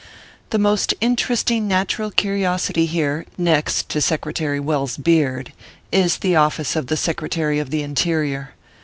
THE most interesting natural curiosity here, next to Secretary Welles beard, is the office of the Secre tary of the Interior.